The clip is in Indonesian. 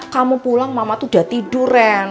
kamu pulang mama tuh udah tidur ren